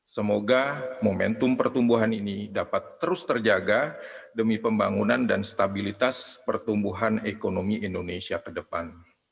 semoga momentum pertumbuhan ini dapat terus terjaga demi pembangunan dan stabilitas pertumbuhan ekonomi indonesia ke depan